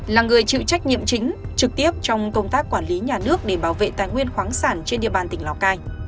là người chịu trách nhiệm chính trực tiếp trong công tác quản lý nhà nước để bảo vệ tài nguyên khoáng sản trên địa bàn tỉnh lào cai